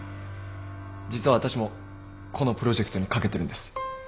実は私もこのプロジェクトに懸けてるんです。